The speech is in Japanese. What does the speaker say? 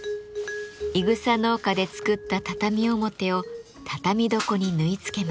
いぐさ農家で作った畳表を畳床に縫い付けます。